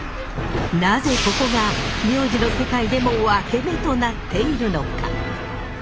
なぜここが名字の世界でもワケメとなっているのか。